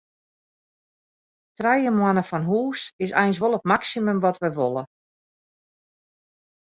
Trije moanne fan hûs is eins wol it maksimum wat wy wolle.